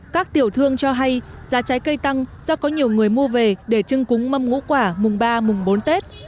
các tiểu thương cho hay giá trái cây tăng do có nhiều người mua về để trưng cúng mâm ngũ quả mùng ba mùng bốn tết